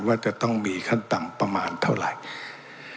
ว่าจะต้องมีขั้นต่ำประมาณเท่าไหร่